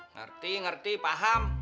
ngerti ngerti paham